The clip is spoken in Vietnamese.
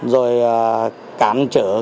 rồi cán trở